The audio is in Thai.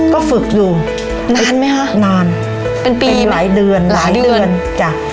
ก็ฝึกอยู่นานไหมคะนานเป็นปีหลายเดือนหลายเดือนจ้ะ